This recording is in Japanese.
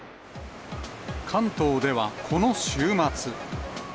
関東ではこの週末。